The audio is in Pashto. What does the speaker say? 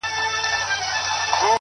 پېغور دی” جوړ دی” کلی دی له ډاره راوتلي”